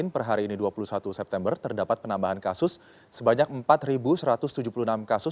per hari ini dua puluh satu september terdapat penambahan kasus sebanyak empat satu ratus tujuh puluh enam kasus